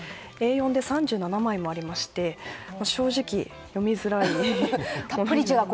Ａ４で３７枚もありまして正直、読みづらいです。